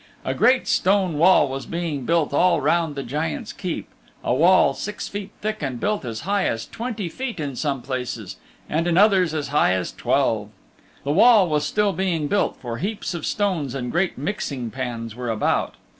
A great stone wall was being built all round the Giant's Keep a wall six feet thick and built as high as twenty feet in some places and in others as high as twelve. The wall was still being built, for heaps of stones and great mixing pans were about.